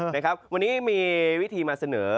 นะครับวันนี้มีวิธีมาเสนอ